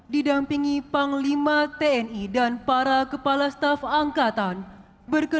jangan lupa dikasihkan kekuatanmu